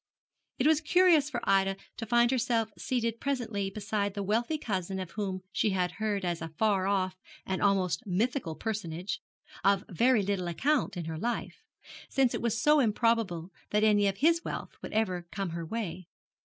It was curious for Ida to find herself seated presently beside the wealthy cousin of whom she had heard as a far off and almost mythical personage, of very little account in her life; since it was so improbable that any of his wealth would ever come her way.